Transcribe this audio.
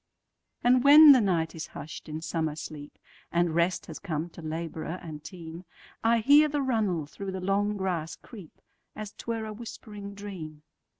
And when the night is hush'd in summer sleep, And rest has come to laborer and team,I hear the runnel through the long grass creep, As 't were a whispering dream.